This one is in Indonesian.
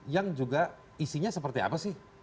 yang juga isinya seperti apa sih